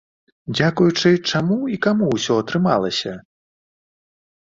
Дзякуючы чаму і каму ўсё атрымалася?